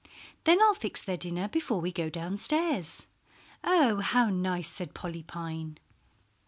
Then I'll fix their dinner before we go downstairs." "Oh, how nice!" said Polly Pine.